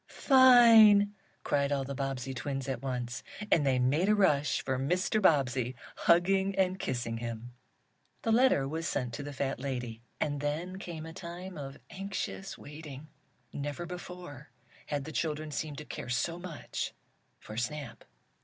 "Fine!" cried all the Bobbsey twins at once, and they made a rush for Mr. Bobbsey, hugging and kissing him. The letter was sent to the fat lady, and then came a time of anxious waiting. Never before had the children seemed to care so much for Snap.